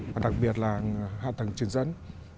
và đặc biệt là hạ tầng truyền dẫn